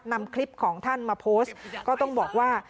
นำคลิปของท่านมาโพสต์ก็ต้องบอกว่า